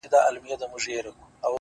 داده ميني ښار وچاته څه وركوي’